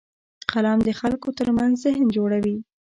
قلم د خلکو ترمنځ ذهن جوړوي